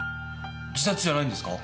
自殺じゃないんですか？